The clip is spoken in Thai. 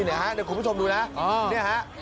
เดี๋ยวคุณผู้ชมดูนะเนี่ยฮะ